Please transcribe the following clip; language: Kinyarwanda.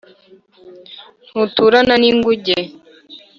Ntaturana n’ingunge*.